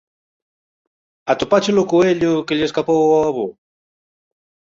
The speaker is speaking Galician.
Atopaches o coello que lle escapou ao avó?